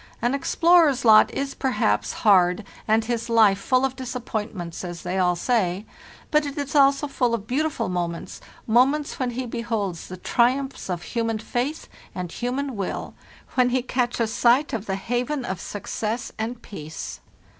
An explorer's lot is, perhaps, hard and his life full of dis appointments, as they all say; but it is also full of beau tiful moments—moments when he beholds the triumphs of human faith and human will, when he catches sight of the haven of success and peace.